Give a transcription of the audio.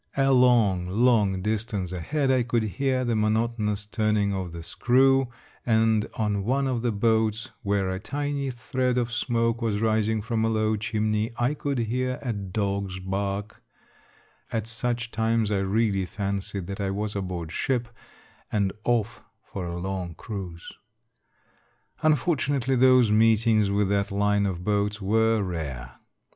A long, long distance ahead I could hear the monotonous turning of the screw, and on one of the boats, where a tiny thread of smoke was rising from a low chimney, I could hear a dog's bark ; at such times I really fancied that I was aboard ship, and off for a long cruise. Unfortunately, those meetings with that line of boats were rare.